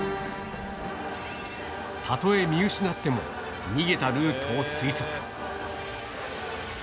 たとえ見失っても、逃げたルートを推測。